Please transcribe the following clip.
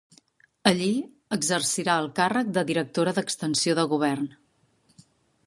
Allí exercirà el càrrec de directora d'extensió de govern.